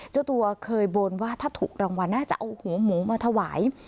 เจ้าตัวเคยบนว่าถ้าถูกรางวัลน่าจะเอาหัวหมูมาถวาย